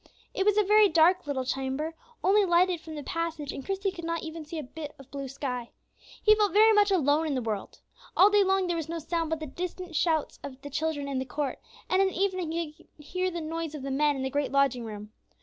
It was a very dark little chamber, only lighted from the passage, and Christie could not even see a bit of blue sky. He felt very much alone in the world. All day long there was no sound but the distant shouts of the children in the court, and in the evening he could hear the noise of the men in the great lodging room.